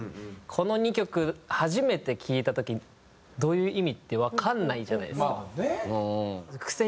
この２曲初めて聴いた時どういう意味ってわかんないじゃないですか。